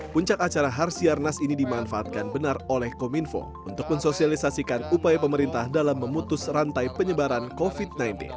puncak acara harsiarnas ini dimanfaatkan benar oleh kominfo untuk mensosialisasikan upaya pemerintah dalam memutus rantai penyebaran covid sembilan belas